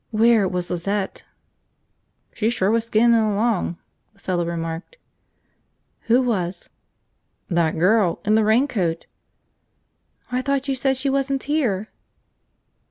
Where was Lizette? "She sure was skinnin' along," the fellow remarked. "Who was?" "That girl. In the raincoat." "I thought you said she wasn't here!"